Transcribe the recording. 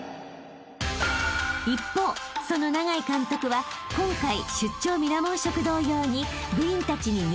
［一方その永井監督は今回出張ミラモン食堂用に］